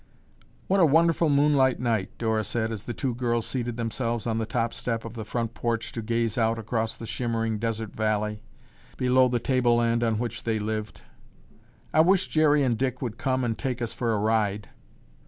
"What a wonderful moonlight night!" Dora said as the two girls seated themselves on the top step of the front porch to gaze out across the shimmering desert valley, below the tableland on which they lived. "I wish Jerry and Dick would come and take us for a ride."